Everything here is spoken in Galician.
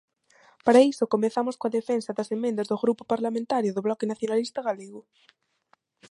Para iso comezamos coa defensa das emendas do Grupo Parlamentario do Bloque Nacionalista Galego.